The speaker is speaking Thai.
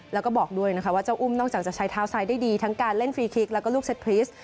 แล้วก็บอกด้วยนะคะว่าเจ้าอุ้มนอกจากจะใช้เท้าซ้ายได้ดีทั้งการเล่นฟรีคลิกแล้วก็ลูกเซ็ตพรีส